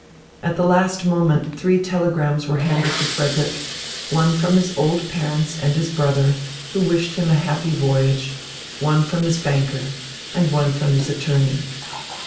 At the last moment three telegrams were handed to Frederick, one from his old parents and his brother, who wished him a happy voyage, one from his banker, and one from his attorney.